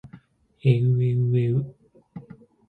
えうえうえう